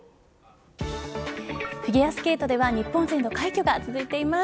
フィギュアスケートでは日本勢の快挙が続いています。